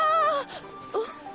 あっ！